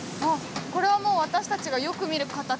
これはもう私たちがよく見る形ですね